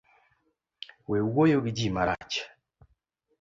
We wuoyo gi ji marach